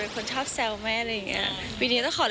เขาเป็นไรอ่ะ